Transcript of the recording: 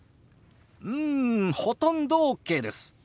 うんほとんどＯＫです。